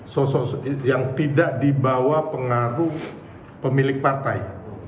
sosok yang tidak dibawa pengaruh pemilik partai